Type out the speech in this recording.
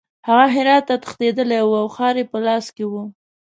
هغه هرات ته تښتېدلی وو او ښار یې په لاس کې وو.